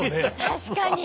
確かに。